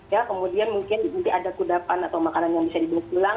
ya kemudian mungkin ada ke depan atau makanan yang bisa dibuat pulang